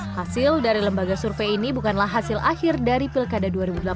hasil dari lembaga survei ini bukanlah hasil akhir dari pilkada dua ribu delapan belas